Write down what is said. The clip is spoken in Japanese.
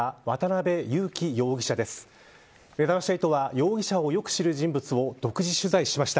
めざまし８は容疑者をよく知る人物を独自取材しました。